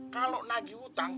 kalau nagih utang